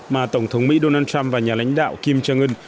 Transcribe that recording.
mà tổng thống mỹ donald trump và nhà lãnh đạo kim jong un